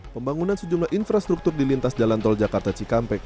pembangunan sejumlah infrastruktur di lintas jalan tol jakarta cikampek